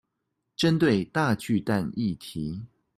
針對大巨蛋議題